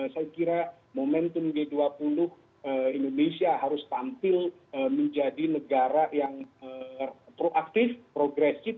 saya kira momentum g dua puluh indonesia harus tampil menjadi negara yang proaktif progresif